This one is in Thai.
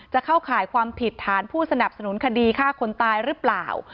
เข้าข่ายความผิดฐานผู้สนับสนุนคดีฆ่าคนตายหรือเปล่า